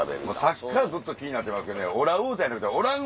さっきからずっと気になってますけどね。